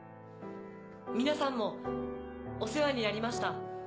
皆さんもお世話になりました。